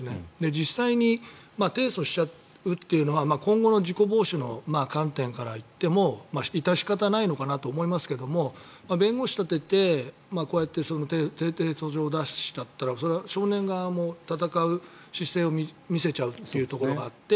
実際に提訴しちゃうっていうのは今後の事故防止の観点からいっても致し方ないのかなと思いますが弁護士を立ててこうやって訴状を出すんだったらそれは少年側も戦う姿勢を見せちゃうってところがあって